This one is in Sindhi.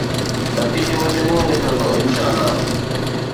نتيجو چڱو نڪرندو، انشاءَ الله.